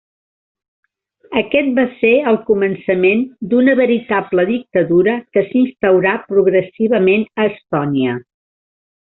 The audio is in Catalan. Aquest va ser el començament d'una veritable dictadura que s'instaurà progressivament a Estònia.